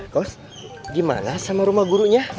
kos gimana sama rumah gurunya